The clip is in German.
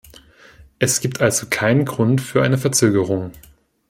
Es gibt also keinen Grund für eine Verzögerung.